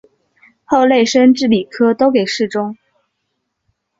后累升至礼科都给事中。